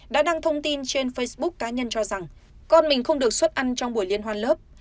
đã đăng thông tin trên facebook cá nhân cho rằng con mình không được xuất ăn trong buổi liên hoan lớp